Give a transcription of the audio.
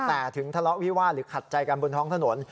แต่ถึงทะเลาะวิวาดหรือขัดใจกันบนท้องถนน